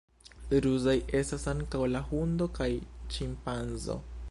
Ruzaj estas ankaŭ la hundo kaj ĉimpanzo.